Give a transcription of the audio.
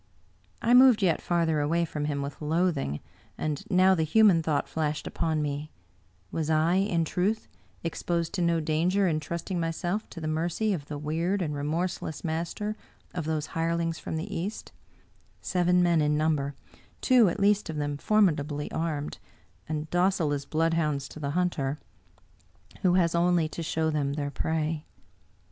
I moved yet farther away from him with loathing, and now the human thought flashed upon me: was I, in' truth, exposed to no danger in trusting myself to the mercy of the weird and remorseless master of those hirelings from the East — seven men in number, two at least of them for midably armed, and docile as bloodhounds to the hunter, 75 English Mystery Stories who has only to show them their prey?